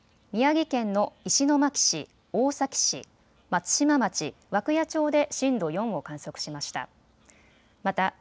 宮城県の石巻市、大崎市、松島町、涌谷町で震度４を観測しました。